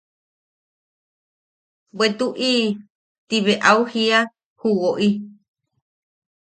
–Bwe tuʼi– Ti bea au jiia ju woʼi.